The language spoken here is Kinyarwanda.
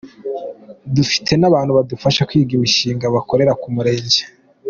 Dufite n’abantu badufasha kwiga imishinga bakorera ku Murenge.